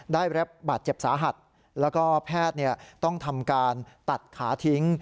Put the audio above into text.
ได้รับบาดเจ็บสาหัสแล้วก็แพทย์ต้องทำการตัดขาทิ้ง